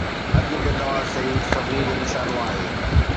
اڄ به نواز شريف سڀني جو نشانو آهي.